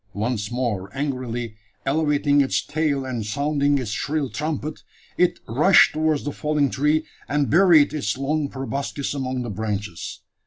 Once more angrily elevating its tail, and sounding its shrill trumpet, it rushed towards the fallen tree, and buried its long proboscis among the branches.